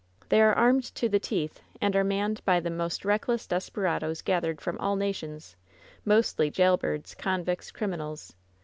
They are armed to the teeth and are manned by the most reckless desperadoes gathered from all nations — mostly jail birds, convicts, criminals.